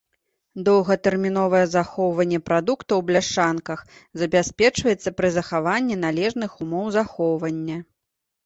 Доўгатэрміновае захоўванне прадуктаў у бляшанках забяспечваецца пры захаванні належных умоў захоўвання.